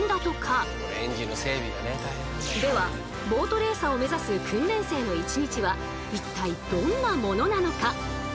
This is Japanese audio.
ではボートレーサーを目指す訓練生の一日は一体どんなものなのか？